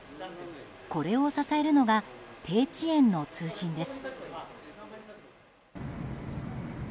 これを支えるのが低遅延の通信です。